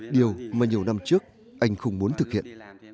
điều mà nhiều năm trước anh không muốn thực hiện